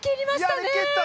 やり切った！